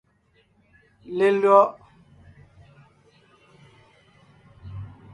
Lelÿɔ’.